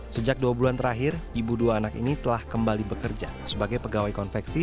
sejak dua bulan terakhir ibu dua anak ini telah kembali bekerja sebagai pegawai konveksi